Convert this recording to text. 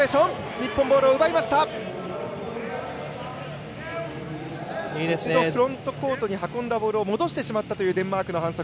一度、フロントコートに運んだボールを戻してしまったというデンマークの反則。